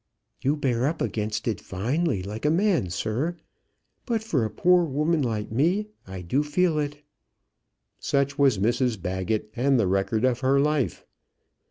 "You bear up against it finely like a man, sir; but for a poor woman like me, I do feel it." Such was Mrs Baggett and the record of her life.